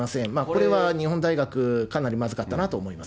これは日本大学、かなりまずかったなと思います。